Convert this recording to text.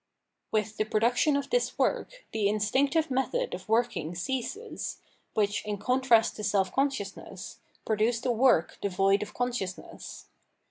* With the production of this work, the instinctive method of working ceases, which, in contrast to self consciousness, produced a work devoid of consciousness.